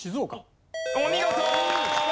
お見事！